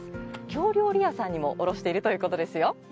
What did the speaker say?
京料理屋さんにも卸しているそうですよ。